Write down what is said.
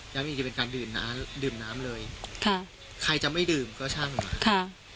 ยังมีเป็นการดื่มน้ำเลยใครจะไม่ดื่มก็ช่างหวัง